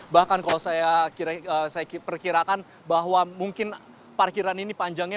bahkan kalau saya perkirakan bahwa mungkin parkiran ini panjangnya